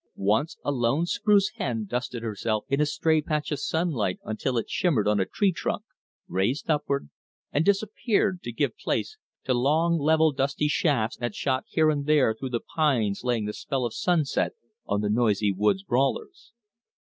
Once a lone spruce hen dusted herself in a stray patch of sunlight until it shimmered on a tree trunk, raised upward, and disappeared, to give place to long level dusty shafts that shot here and there through the pines laying the spell of sunset on the noisy woods brawlers.